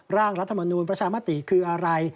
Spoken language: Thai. ร่างรัฐมนูลประชามติคืออะไร